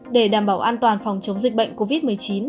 để đảm bảo an toàn phòng chống dịch bệnh covid một mươi chín